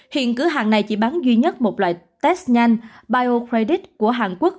hiện cửa hàng này chỉ bán duy nhất một loại test nhanh biocredit của hàn quốc